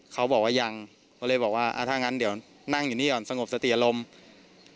เขาบอกว่ายังก็เลยบอกว่าอ่าถ้างั้นเดี๋ยวนั่งอยู่นี่ก่อนสงบสติอารมณ์